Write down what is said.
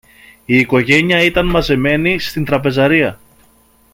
Η οικογένεια ήταν μαζεμένη στην τραπεζαρία